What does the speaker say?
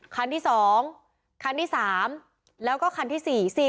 คันที่สองคันที่สามแล้วก็คันที่สี่